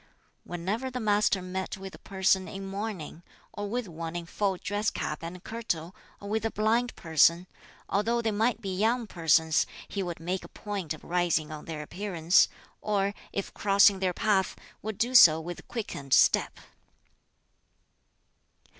Whenever the Master met with a person in mourning, or with one in full dress cap and kirtle, or with a blind person, although they might be young persons, he would make a point of rising on their appearance, or, if crossing their path, would do so with quickened step!